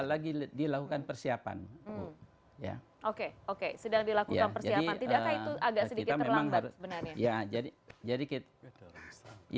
oke sedang dilakukan persiapan tidakkah itu agak sedikit terlambat sebenarnya